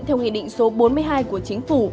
theo nghị định số bốn mươi hai của chính phủ